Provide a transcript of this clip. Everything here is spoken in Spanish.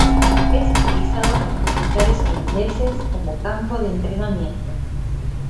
Es utilizado por los militares holandeses como campo de entrenamiento.